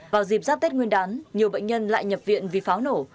vào dịp giáp tết nguyên đán nhiều bệnh nhân lại nhập viện vì pháo nổ